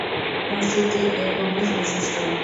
মসজিদটি এক গম্বুজ বিশিষ্ট।